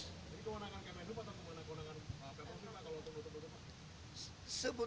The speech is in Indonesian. jadi kewenangan kmnu atau kewenangan ppb kan kalau ditutup tutup